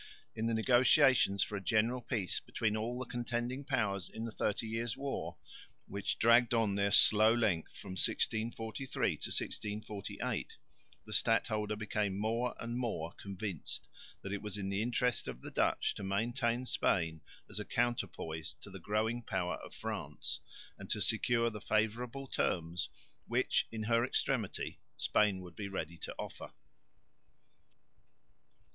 In the negotiations for a general peace between all the contending powers in the Thirty Years' War, which dragged on their slow length from 1643 to 1648, the stadholder became more and more convinced that it was in the interest of the Dutch to maintain Spain as a counterpoise to the growing power of France, and to secure the favourable terms, which, in her extremity, Spain would be ready to offer.